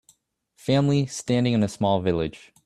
Family standing in a small village